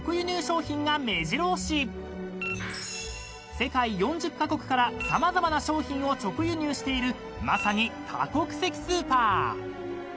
［世界４０カ国から様々な商品を直輸入しているまさに多国籍スーパー］